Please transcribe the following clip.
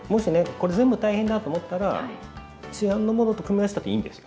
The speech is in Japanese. これ全部大変だと思ったら市販のものと組み合わせたっていいんですよ